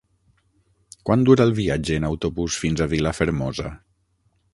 Quant dura el viatge en autobús fins a Vilafermosa?